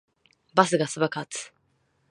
バスガス爆発